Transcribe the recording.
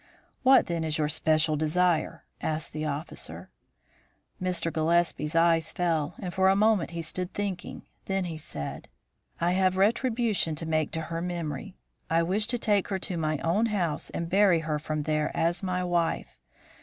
"What, then, is your special desire?" asked that officer. Mr. Gillespie's eyes fell, and for a moment he stood thinking, then he said; "I have retribution to make to her memory. I wish to take her to my own house and bury her from there as my wife.